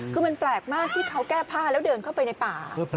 คือมันแปลกมากที่เขาแก้ผ้าแล้วเดินเข้าไปในป่า